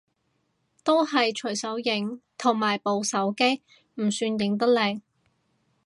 都係隨手影，同埋部手機唔算影得靚